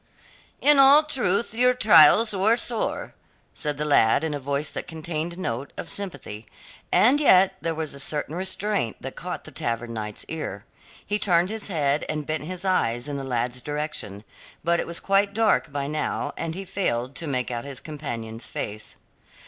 "In all truth your trials were sore," said the lad in a voice that contained a note of sympathy. And yet there was a certain restraint that caught the Tavern Knight's ear. He turned his head and bent his eyes in the lad's direction, but it was quite dark by now, and he failed to make out his companion's face.